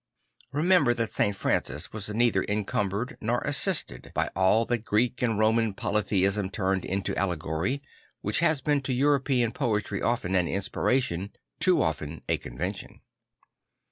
Remember that St Francis was neither encum bered nor assisted by all that Greek and Roman polytheism turned into allegory, which has been to European poetry often an inspiration, too often a convention.